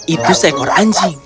itu seekor anjing